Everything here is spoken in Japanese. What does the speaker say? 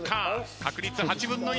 確率８分の１。